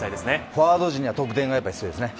フォワード陣は得点が必要ですね。